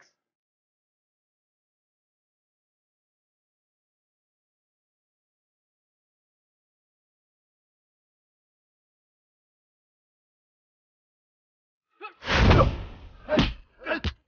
kita akan membuat satu